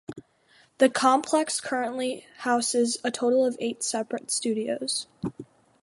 The complex currently houses a total of eight separate studios.